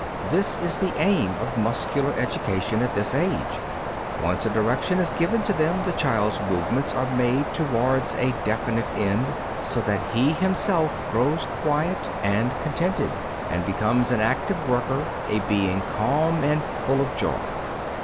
This is the aim of muscular education at this age. Once a direction is given to them, the child's movements are made towards a definite end, so that he himself grows quiet and contented, and becomes an active worker, a being calm and full of joy.